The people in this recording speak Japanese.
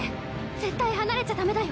絶対離れちゃダメだよ。